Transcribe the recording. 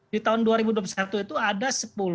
di tahun dua ribu dua puluh satu itu ada sepuluh